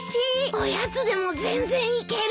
おやつでも全然いける。